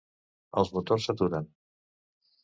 Els motors s'aturen.